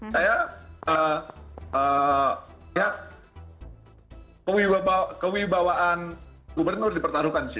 saya ya kewibawaan gubernur dipertaruhkan sih